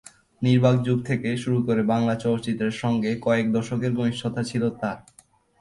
নির্বাক যুগ থেকে শুরু করে বাংলা চলচ্চিত্রের সংগে কয়েক দশকের ঘনিষ্ঠতা ছিলো তার।